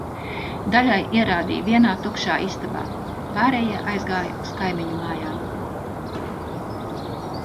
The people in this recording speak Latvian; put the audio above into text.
Daļai ierādīja vienā tukšā istabā, pārējie aizgāja uz kaimiņu mājam.